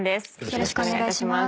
よろしくお願いします。